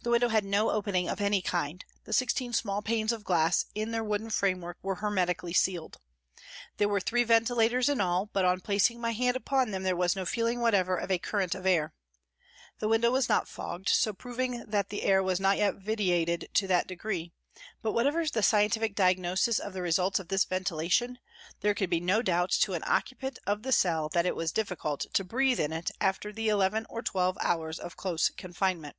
The window had no opening of any kind, the sixteen small panes of glass in their wooden framework were hermetically sealed. There were three ventilators in all, but on placing my hand upon them there was no feeling whatever of a current of air. The window was not fogged, so proving that the air was not yet vitiated to that degree, but whatever the scientific diagnosis of the results of this ventilation, there could be no doubt to an occupant of the cell that it was difficult to 186 PRISONS AND PRISONERS breathe in it after the eleven or twelve hours of close confinement.